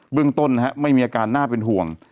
เรื่องต้นไม่มีอาการน่าเป็นห่วง